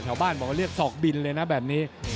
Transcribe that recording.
ชาวบ้านบอกว่าเรียกศอกบินเลยนะแบบนี้